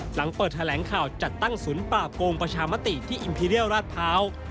หลังเปิดแถลงข่าวจัดตั้งศูนย์ป่าโกงประชามติที่อิมพีเรียลราชพร้าว